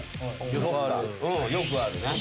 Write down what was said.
よくあるね。